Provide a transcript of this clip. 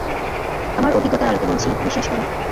আমার অভিজ্ঞতার আলোকে বলছি, বিশ্বাস করো!